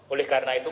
oleh karena itu